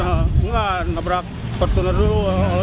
enggak nabrak pertuner dulu